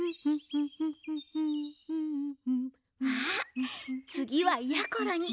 あつぎはやころに。